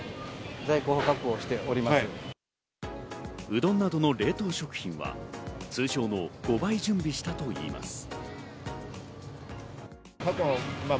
うどんなどの冷凍食品は通常の５倍準備したといいます。